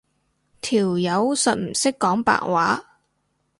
條友實唔識講白話